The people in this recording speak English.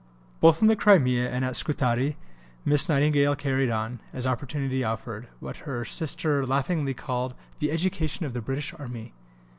Both in the Crimea and at Scutari Miss Nightingale carried on, as opportunity offered, what her sister laughingly called "the education of the British Army."